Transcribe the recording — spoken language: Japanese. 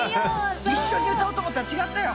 一緒に歌おうと思ったらちがったよ。